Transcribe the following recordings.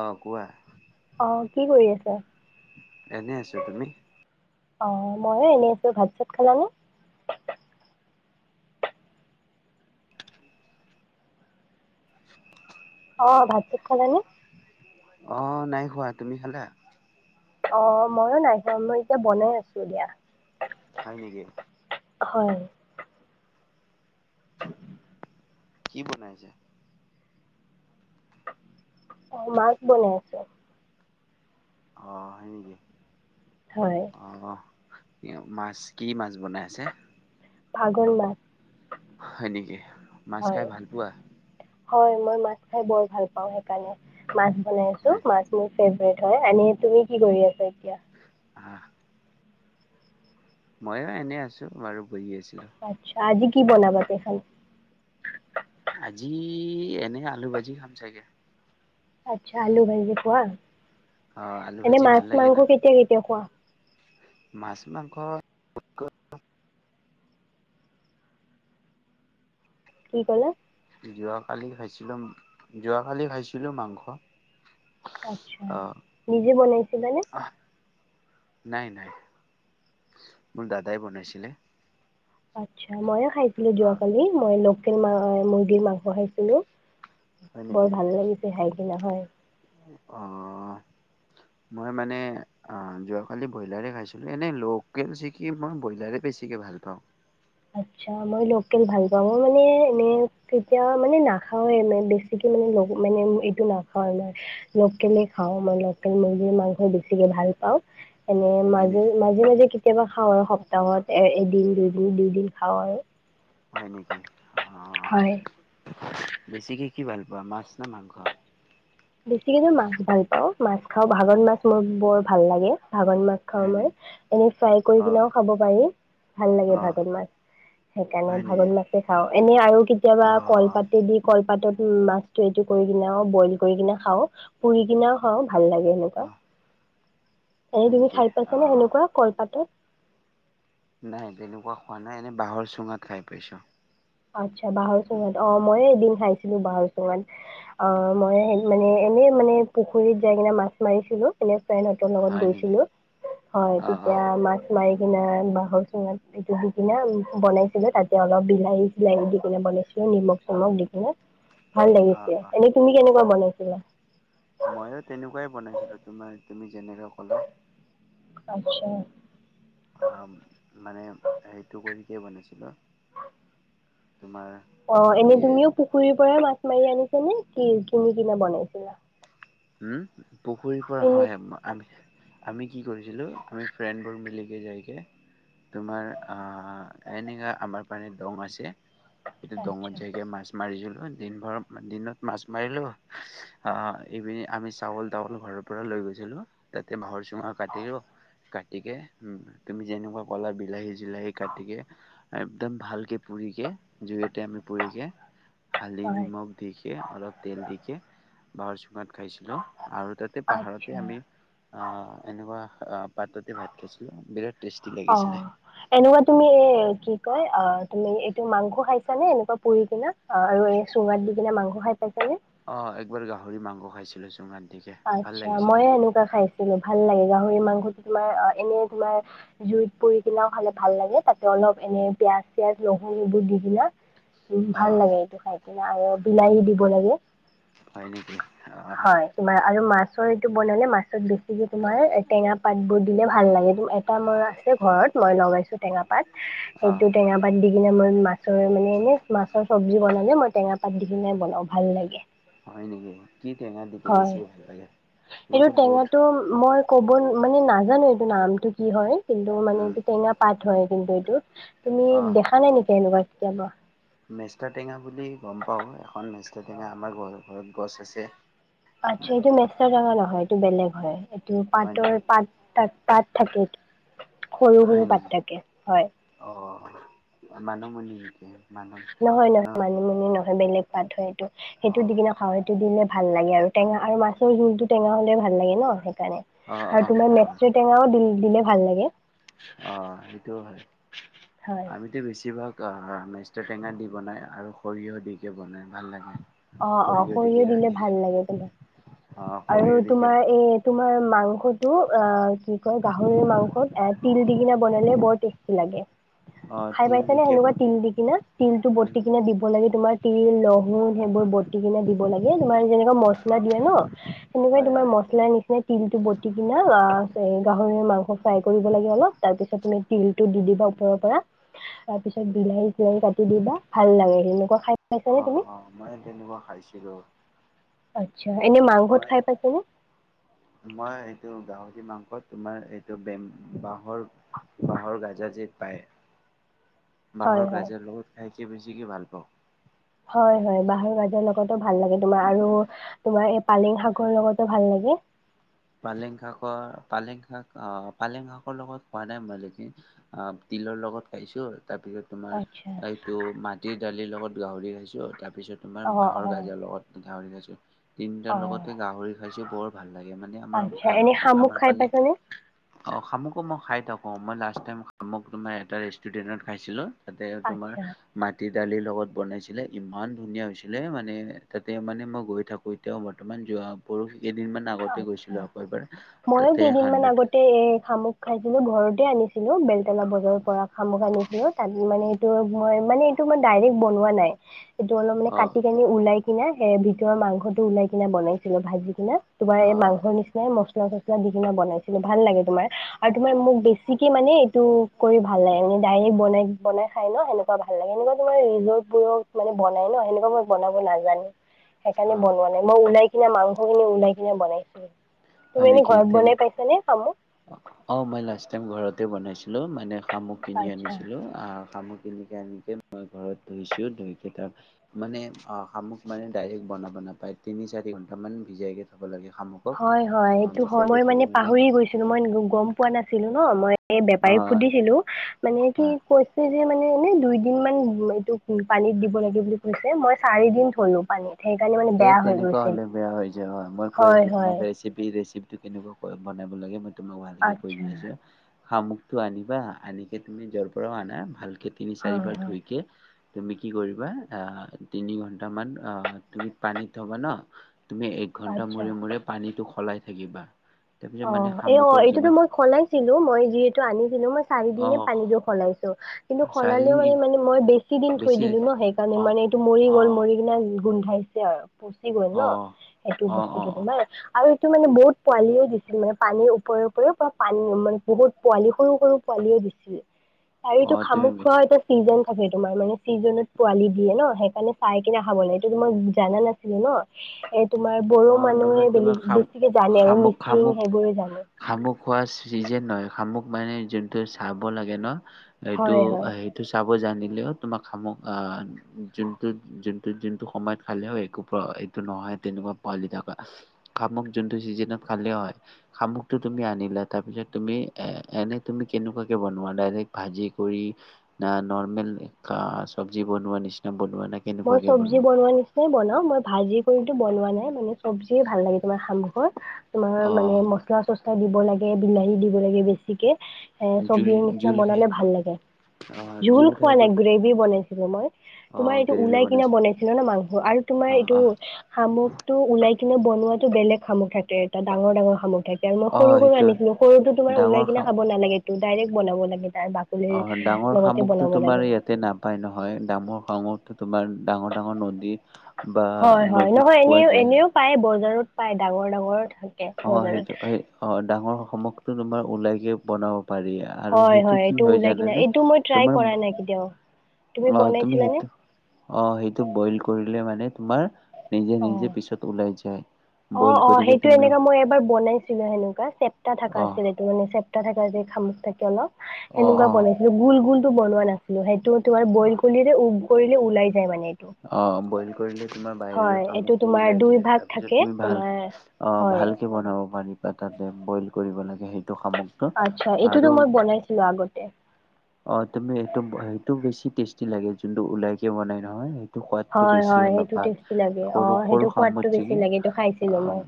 অ কোৱা? অ' কি কৰি আছা? এনে আছো তুমি অ' ময়ো এনে আছো, ভাত চাত খালা নে? অ' ভাত চাত খালা নে? অ' নাই খোৱা, তুমি খালা? অ' ময়ো নাই খোৱা, মই এতিয়া বনাই আছো দিয়া। হয় নেকি? হয়। কি বনাইছে? অ মাছ বনাইছে। অ' হয় নেকি? হয়। অ' মাছ কি মাছ বনাই আছে? ভাঙোন মাছ। হয় নেকি, মাছ খাই হয়। ভাল পোৱা? হয় মই মাছ খায় বৰ ভাল পাওঁ। সেইকাৰণে মাছ বনাইছো, হয় মাছ। মোৰ ফেভৰেট হয়, এনে তুমি কি কৰি আছা এতিয়া? আ ময়ো এনেই আছো বাৰু বহি আছিলোঁ। আচ্ছা, আজি কি বনাবা কেখন। আজি এনে আলু ভাজি খাম চাগে। আচ্ছা, আলু ভাজি খোৱা, অ আলু এনে ভাজি ভাল মাছ লাগে মাংস ন কেতিয়া কেতিয়া খোৱা? মাছ, মাংস। কি কলে? যোৱাকালি খাইছিলো, যোৱাকালি খাইছিলো মাংস। আচ্ছা, অ নিজে বনাইছিলে নে? নাই নাই, মোৰ দাদাই বনাইছিলে। আচ্ছা ময়ো খাইছিলো অ যোৱাকালি, মই লোকেল মা মুৰ্গীৰ মাংস খাইছিলো। হয় বৰ ভাল লাগিছে খাই কিনে হয়। অঁ মই মানে অ যোৱাকালি ব্ৰইলাৰে খাইছিলো, এনে লোকেল চি কি মই ব্ৰইলাৰে বেছিকে ভাল পাওঁ। আচ্ছা, মই লোকেল ভাল পাওঁ, মই মানে এনে তেতিয়া মানে নাখাওৱে বেছিকে মানে মানে এইটো নাখাও। লোকেলে খাওঁ, মই লোকেল মুৰ্গীৰ মাংস বেছিকে ভাল পাওঁ। এনে হয় মাজে নেকি? মাজে মাজে কেতিয়াবা খাওঁ, সপ্তাহত এ এদিন দুইদিন দু। দিন খাওঁ। হয় নেকি অ'। হয় বেছিকে কি ভাল পোৱা মাছ নে মাংস? বেছিকে মই মাছ ভাল পাওঁ, মাছ খাওঁ ভাঙোন মাছ মোৰ বৰ ভাল লাগে, ভাঙোন মাছ। খাওঁ হয় মই, নেকি? এনে ফ্ৰাই কৰি অ কিনেও খাব পাৰি, ভাল অ লাগে ভাঙোন মাছ। হয় সেইকাৰণে নেকি? ভাঙোন মাছ। খাওঁ, এনে আৰু কেতিয়াবা অ কলপাতে দি কলপাতত মাছটো এইটো কৰি কিনে বইল। কৰি কিনে খাওঁ, পুৰি কিনেও খাওঁ ভাল লাগে সেনেকুৱা। অ এনে হয় তুমি নেকি? খাই অ পাইছা নে সেনেকুৱা কলপাতত? নাই তেনেকুৱা খোৱা নাই, এনেই বাঁহৰ চুঙাত খাই পাইছোঁ। আচ্ছা, বাঁহৰ চুঙাত, অ' মইয়ো এদিন খাইছিলোঁ বাঁহৰ চুঙাত। অ' মইয়ে মানে এনেই মানে পুখুৰীত যাই কিনে মাছ মাৰিছিলোঁ। এনে ফ্ৰেণ্ডহঁতৰ লগত হয় নেকি? গৈছিলোঁ, হয়। অ অ তেতিয়া আমাক মাৰি কিনে বাঁহৰ চুঙাত এইটো আনি দি কিনে বনাইছিলে তাতে অলপ বিলাহী বিলাহী দি কিনে বনাইছিলোঁ। নিমখ চিমখ দি কিনে ভাল অ লাগিছে। অ এনেই তুমি কেনেকুৱা বনাইছিলা? মইয়ো, তেনেকুৱাই বনাইছিলোঁ। তোমাৰ তুমি যেনেকে ক'লা আচ্ছা। অ' মানে হেৰিটো কৰি কিনে বনাইছিলোঁ। তোমাৰ অ' এনেই বি তুমিও পুখুৰীৰ পৰা মাছ মাৰি আনিছা নে কি কিনি কিনে বনাইছিলা? হ'ম পুখুৰীৰ পৰা কিনি হয় আমাৰ আম আমি কি কৰিছিলোঁ, আমি ফ্ৰেণ্ডবোৰ মিলিকে যায়গে তোমাৰ আহ এনেকা আমাৰ পানে দং হৈছে। এইটো দংত আচ্ছা জাইকে মাছ মাৰিছিলোঁ। দিন ভৰ দিনত মাছ মাৰিলোঁ আহ পিনে আমি চাউল তাউল ঘৰৰ পৰা লৈ গৈছিলোঁ। তাতে বাঁহৰ চুঙৰ কাটিলো। কাটিকে উম, তুমি যেনেকুৱা ক'লা বিলাহী চিলাহী কাটিকে একদম ভালকে পুৰিকে জুইতে আমি পুৰিকে হালধি, হয় নিমখ দি কে অলপ তেল দিকে বাঁহৰ চু খাইছিলোঁ আৰু তাতে পাহাৰতে আচ্ছা আমি আহ এনেকুৱা আহ পাটতে ভাত খাইছিলোঁ, বিৰাট টেষ্টি অ। লাগিছিলে। এনেকুৱা তুমি এ কি কয় অ' তুমি এইটো মাংস খাইছা নে এনেকুৱা পুৰি কিনে? আৰু এই চুঙাত দি কিনে মাংস খাই পাইছানে? অ' একবাৰ গাহৰি মাংস খাইছিলোঁ চুঙাত দিকে ভাল আচ্ছা, লাগিছিলে। মইয়ো এনেকুৱা খাইছিলোঁ। ভাল লাগে গাহৰি মাংসটো তোমাৰ এনে তোমাৰ জুইত পুৰি কিনেও খালে ভাল লাগে। তাতে অলপ এনে পিয়াঁজ চিয়াজ নহৰু এইবোৰ দি কিনে উম, অ ভাল লাগে এইটো খাই কিনে আৰু বিলাহী দিব লাগে। হয় নেকি, অ' হয় তোমাৰ আৰু মাছৰ এইটো বনালে মাছত বেছিকে তোমাৰ টেঙা পাতবোৰ দিলে ভাল লাগে। এটা মাছ তে ঘৰত মই লগাইছোঁ। টেঙা পাত, অ সেইটো টেঙা পাত দি কিনে মই মাছৰ মানে এনেই মাছৰ চব্জি বনালে মই টেঙা পাত দি কিনে বনাওঁ ভাল লাগে। হয় নেকি কি টেঙা দি কিনে হয় বেছিকৈ ভাল লাগে? এইটো তোমাৰটৈ টেঙাটো বহুত মই ক'ব মানে নাজানোঁ এইটো নামটো কি হয় কিন্তু মানে উম এইটো টেঙা পাত হয়। কিন্তু, এইটো তুমি অ দেখা নাই নেকি এনেকুৱা কেতিয়াবা? মেষ্টা টেঙা বুলি গ'ম পাওঁ। এখন মেষ্টা টেঙা আমাৰ ঘৰত ঘৰত গছ আছে। আচ্ছা, এইটো মেষ্টা টেঙা নহয়, এইটো বেলেগ হয়, এইটো হয় পাতৰ নেকি? পাত তাত পাত থাকে সৰু হয় সৰু পাত নেকি থাকে হয়। অ' মানিমুনি নেকি? মানৱ নহয়, ন নহয়, মানি মুনি নহয় বেলেগ পাত হয় এইটো অ সেইটো দি কিনা খাৱটো দিলে ভাল লাগে আৰু টেঙা আৰু মাছৰ জোলটো টেঙা হ'লে ভাল লাগে ন সেইকাৰণে। অ অ আৰু তোমাৰ অ মেষ্টা টেঙাও দিলে ভাল লাগে। অ' সেইটোও হয়। হয় আমি তেওঁ বেছিভাগ আহ মেষ্টৰ টেঙা দি বনাই আৰু সৰিয়হ দিকে বনাই ভাল লাগে। অ', অ', দিকে সৰিয়হ দিলে ৰান্ধিলে ভাল লাগে বলে অ', আৰু সৰিয়হ দিকে তোমাৰ এই তোমাৰ মাংসটো অ', কি কয় গাহৰি মাংসত এ তিল দি কিনে বনালে বৰ টেষ্ট টি লাগে। অ', খাই তিল পাইছে নে দিকে সেনেকুৱা বন তিল দি কিনে? তিলটো উম, বটি কিনে দিব লাগে তোমাৰ তিল লহু সেইবোৰ বতি কিনে দিব লাগে তোমাৰ যেনেকুৱা মছলা দিয়ে ন' সেনেকুৱাই হয়, তোমাৰ হয়। মছলা নিচিনা তিলটো বটি কিনে অ', গাহৰিৰ মাংস ফ্ৰাই কৰিব লাগে অলপ তাৰপিছত তুমি তিলটো দি দিবা ওপৰৰ পৰা তাৰপিছত বিলাহী তিলাহী কাটি দিবা ভাল লাগে সেনেকুৱা খাই পাইছানে অ', তুমি অ', মই তেনেকুৱা খাইছিলোঁ। আচ্ছা, এনে মাংসত মই খাই পাইছা নে? মই এইটো গাহৰি মাংস তোমাৰ এইটো বে বাঁহৰ বাঁহৰ গাজা যে পায়। [inaudible] বাঁহৰ হয় গাজাৰ লগত খাইকে বেছিকৈ ভাল পাওঁ। হয়, হয়, বাঁহৰ গাজাৰ লগ লগতো ভাল লাগে তোমাৰ আৰু তোমাৰ এই পালেং শাকৰ লগতো ভাল লাগে। পালেং শাকৰ, পালেং শাক অ', পালেং শাকৰ লগত খোৱা নাই মই [unintelligible] অ', তিলৰ লগত খাইছো তাৰপিছত তোমাৰ আচ্ছা। এইটো মাটিৰ দালিৰ লগত গাহৰি খাইছোঁ তাৰ পিছত তোমাৰ অ', বাঁহৰ অ', গাজাৰ লগত গাহৰি খাইছোঁ, তিনিটাৰ অ', লগতে গাহৰি খাইছোঁ বৰ ভাল লাগে মান মা আচ্ছা এনে আহ, শামুক আমাৰ খাই পানে পাইছানে? অ', শামুকো মই খাই থাকো, মই লাষ্ট টাইম শামুক মানে এটা ৰেষ্টুৰেন্টত খাইছিলোঁ। তাতে তোমাৰ আচ্ছা, মাটি দালিৰ লগত বনাইছিলে ইমান ধুনীয়া হৈছিলে মানে তাতে মানে মই গৈ থাকোঁ। এ তেওঁ বৰ্তমান যোৱা পৰহি কেইদিনমান আগতে আচ্ছা, গৈছিলো আকৌ এবাৰ ময়ো তাতে কেইদিন মান হাণ্ড্ৰেড আগতে এই শামুক খাইছিলোঁ ঘৰতে আনিছিলো বেলতলা বজাৰৰ পৰা শামুক আনিছিলো তাত মানে টো মই মানে এইটো মই ডাইৰেক্ট বনোৱা নাই এইটো অলপ মানে অ কাটি কানি ওলাই কিনে সে ভিতৰৰ মাংসটো উলাই কিনে বনাইছিলো ভাজি কিনা তোমাৰ অ এই মাংসৰ নিচ নাই মচলা চচলা দি কিনে বনাইছিলো ভাল লাগে তোমাৰ আৰু তোমাৰ মোক বেছিকে মানে এইটো কৰি ভাল লাগে, ডাইৰেক্ট বনাই বনাই খাই ন' সেনেকুৱা ভাল লাগে এনেকুৱা তোমাৰ ৰিজৰ্টোবোৰক মানে বনাই ন' সেনেকুৱা মই বনাব নাজানো। সেইকাৰণে অ বনোৱা নাই মই ওলাই কিনে মাংসখিনি ওলাই কিনে বনাইছিলো। হয় নেকি? তেনে খাইছানে শামুক? অ', মই লাষ্ট টাইম ঘৰতে বনাইছিলো মানে শামুক কিনি আচ্ছা। আনিছিলো। আহ, শামুক কিনিকে আনিকে মই ঘৰত ধুইছো ধুইক তাৰ মানে অ', শামুক মানে ডাইৰেক্ট বনাব নাপায় তিনি চাৰি ঘণ্টামান ভিজাইকৈ থ'ব লাগে শামুক। হয়, হয়, এইটো হয় মই মানে পাহৰি গৈছ কিন্তু গম পোৱা নাছিলো ন' মই এই বেপাৰীক সুধিছিলো মানে কি অ কৈ ছে যে মানে এনে দুই দিন মান এইটো পানীত দিব লাগে বুলি কৈছে মই চাৰি দিন থ'লো পানীত। সেইকাৰণে মানে এ বেয়া হৈ তেনেকুৱা গৈছিল। হ'লে বেয়া হৈ যায় হয় মই কৈ হয় আছোঁ। তোমাক হয় ৰেচিপি ৰেচিপিটো কেনেকুৱাকৈ বনাব লাগে মই তোমাক ভালকে কৈ দি আচ্ছা আছোঁ শামুক টো আনিবা, আনিকে তুমি যৰ পৰাও আনা ভালকে তিনি হয় চাৰিবাৰ হয় ধুই কে তুমি কি কৰিবা অ', তিনি ঘণ্টা মান অহ, তুমি পানীত থ'বা ন' তুমি এক ঘন্টা আচ্ছা। মূৰে মূৰে পানীটো সলাই থাকিবা। তাৰপিছত মানে অঁ' এ অ শামুকৰ এইটোতো যিমান মই সলাইছিলো মই যিহেতু আনিছিলো মই অ চাৰিদিনে পানীটো সলাইছো। কিন্তু, চাৰিদিন সলালেও মানে মানে মই বেছি দিন থৈ দিলো ন, সেইকাৰণে অ মানে এইটো মৰি অ গ'ল মৰি কিনে গোন্ধাই- ছে আৰু পচি গ'ল অ ন, সেইটো অ অ অ বস্তুটো তোমাৰ আৰু এইটো মানে বহুত পোৱালিয়ো দিছে- মানে পানীৰ ওপৰে ওপৰেও বা পানী মানে বহুত পোৱালি সৰু সৰু পোৱালিও দিছিল। আৰু অ এইটো শামুক তুমি খোৱাৰ এটা ছিজন থাকে তোমাৰ মানে ছিজনত পোৱালি দিয়ে ন সেইকাৰণে, - পাই কিনে খাব লাগে, এইটো‌ মই জানা নাছিলো ন। এট- তোমাৰ অ বড়ো মানুহে নহয় তোমাৰ বেলেগ খাম বেছিকে জানে আৰু শামুক মিচিং শামুক সেইবোৰে জানে। শামুক খোৱা চিজন নহয়, শামুক মানে যোনটো চাব লাগে ন এইটো হয় হয়। হেই- টো চাব জানিলেও তোমাক শামুক আ যোনটো যোনটো যোনটো সময়ত খালেও একো প্ৰ- টো নহয় তেনেকুৱা পোৱালি থকা শামুক যোনটো চিজনেত খালেও হয়। শামুকটো তুমি আনিলা তাৰপিছত, তুমি এ এনে তুমি কেনেকুৱাকে বনোৱা ডাইৰেক্ট ভাজি কৰি- না নৰ্মেল কা চব্জি বনোৱা নিচিনা বনোৱা নে? মই চব্জি বনোৱা নিচ- নাই বনাওঁ, মই ভাজি কৰিতো বনোৱা নাই মানে চব্জিয়ে ভাল লাগে তোমাৰ শামুকৰ। তোমাৰ অ মানে মচলা চচলা দিব লাগে বিলাহী দিব লাগে বেছিকে। এ জোল চব্জিৰ নিচিনা জোল খাই বনালে ভাল লাগে, অ জোল খোৱা নাই গ্ৰেভি বনাইছিলো মই। তোমাৰ অঁ' এইটো ওলাই কিনে বনাইছিলা ন মাংস আৰু তোমাৰ অ অ এইটো- শামুকটো ওলাই কিনে বনোৱাটো বেলেগ শামুক থাকে, এটা ডাঙৰ ডাঙৰ শামুক থাকে। আৰু মই অ সৰু সৰু সেইটো আনিছিলো, সৰুটো তোমাৰ ওলাই ডাঙৰ কিনে খাম খাব নালাগেটো ডাইৰেক্ট বনাব লাগে তাৰ- বাকলিৰ অঁ' ডাঙৰ লগতে শামুকটো বনাব লাগে তোমাৰ ইয়াত- তে নাপায় নহয়, ডাঙৰ শামুকটো তোমাৰ ডাঙৰ ডাঙৰ নদী- বা হয় হয় নদীত নহয় পোৱা এনেও যায়। এনেও পায় বজাৰত পায় ডাঙৰ ডাঙৰ থাক- অঁ সেইটো এই অ‍ঁ ডাঙৰ শামুকটো তোমাৰ ওলাইকে বনাব পাৰি আ- আৰু হয় সেইটো কি এইটো হয় ওলাই জানে কিনা নে? এইটো মই ট্ৰাই তোমাৰ কৰা ভো- নাই কেতিয়াও- অঁ তুমি সেইটো অঁ সেইটো বইল কৰিলে মানে তোমাৰ নিজে নিজে পিছত- ওলাই যায়। অঁ বইল অঁ কৰিকে সেইটো তুমি এনেকা মই এবাৰ বনাইছিলো সেনেকুৱা চেপ্তা থাকা অ আছিলে। টো মানে, চেপ্টা থাকা যে শামুক থাকে অলপ অ সেনেকুৱা অ বনাইছিলো, গোল গোল টো বনোৱা নাই। লো, সেইটো তোমাৰ বইল কলিৰে উব কৰিলে ওলাই যায় মানে। এইটো। অ' বইল কৰিলে তোমাৰ বাহিৰৰে হয় এইটো শামুকটো তোমাৰ ওলাই দুই যায়, ভাগ তাৰপিছত থাকে তুমি- ভাল তোমাৰ অঁ' হয়। ভালকে বনাব পাৰিবা, তাতে বইল কৰিব লাগে সেইটো শামুক। আৎচ্ছা, এইটোতো মই বনাইছিলো আগতে। অ' তুমি এইটো হেৰিটো বেছি টেষ্টি লাগে যোনটো ওলাইকে বনাই নহয়। সেই- টো সোৱাদটো হয় বেছি হয় অলপ সেইটো ভাল, টেষ্টি লাগে সৰু অ' সৰু সেইটো সোৱাদটো শামুকছে বেছি কি লাগে এইটো খাইছিলো অঁ'‌ মই। তো-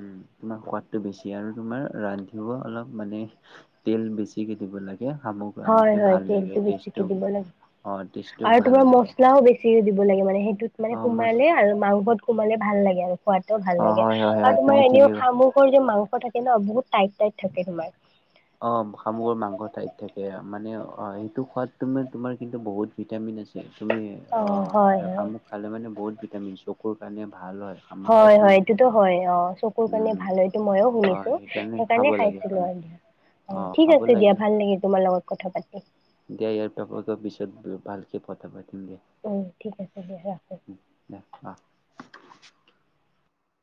উম' তোমাৰ সোৱাদটো বেছি আৰু তোমাৰ ৰান্ধিও অলপ মানে- তেল বেছিকে দিব লাগে শামুক- হয় ৰান্ধোতে হয়, ভাল লাগে তেলটো বেছিকে টেষ্টটো দিব লাগে, অ', টেষ্টটো আৰু ভাল তোমাৰ লাগে মছলাও বেছি- বেছিকে দিব লাগে মানে, সেইটোত মানে অ', মই সোমালে আৰু মাংসত সোমালে ভাল লাগে আৰু। খোৱাটো অ', ভাললাগে হয়, হয়, হয়, আৰু তুমি তোমাৰ এনেও ঠিকেই শামুকৰ যে মাংস থাকে ন, বহুত টাইট, টাইট থাকে তোমাৰ। অঁ' শামুগৰ মাংস টাইট থাকে। মানে অ' সেইটো খোৱাত তোমাৰ কিন্তু বহুত ভিটামিন আছে। তুমি অ' হয় এ, হয় শামুক খালে মানে বহুত ভিটামিন, চকুৰ কাৰণে ভাল হয়। শামুক এক হয়, হয়। নম্বৰ এইটো হয়, অঁ, চকুৰ কাৰণে উম ভাল হয়, এইটো ময়ো অ শুনিছোঁ। খাব সেইকাৰণে লাগে খাইছিলোঁ শামুক আৰু দিয়া অ ঠিক খাব আছে দিয়া লাগে ভাল লাগিল তোমাৰ লগত কথা পাতি। দিয়া ইয়াৰ পৰা প পিছত ভালকে কথা পাতিম দিয়া। উম, ঠিক আছে দিয়া ৰাখোঁ। উম ৰাখ অ